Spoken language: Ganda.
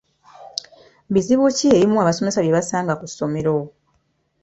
Bizibu ki ebimu abasomesa bye basanga ku ssomero?